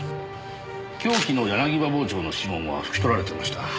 凶器の柳刃包丁の指紋はふき取られてました。